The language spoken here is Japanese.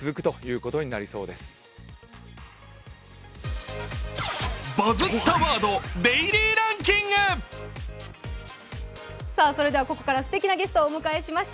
ここからすてきなゲストをお迎えしました。